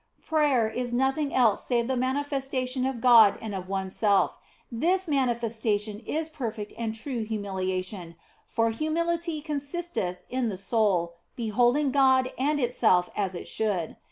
Prayer is nothing else save the manifestation of God and of oneself, and this manifestation is perfect and true humilia tion, for humility consisteth in the soul, beholding God and itself as it should.